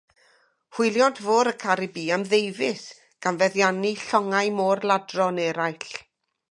Hwyliont Fôr y Caribî am ddeufis, gan feddiannu llongau môr-ladron eraill